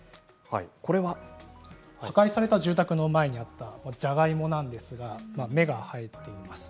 破壊された住宅の前にあった、じゃがいもなんですが芽が生えています。